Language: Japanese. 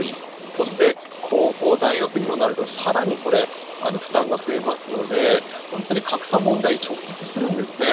そして高校、大学にもなるとさらに負担が増えますので本当に格差問題に直結するんですね。